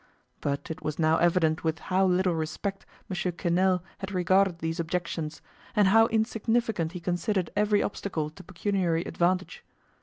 But it was now evident with how little respect M. Quesnel had regarded these objections, and how insignificant he considered every obstacle to pecuniary advantage.